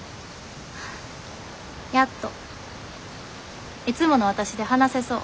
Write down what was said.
やっといつものわたしで話せそう。